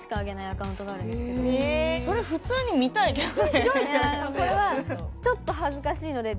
それ普通に見たいけど。